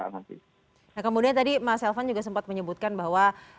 nah kemudian tadi mas elvan juga sempat menyebutkan bahwa